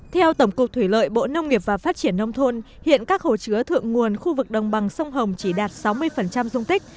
theo tổng cục thủy lợi bộ nông nghiệp và phát triển nông thôn hiện các hồ chứa thượng nguồn khu vực đồng bằng sông hồng chỉ đạt sáu mươi dung tích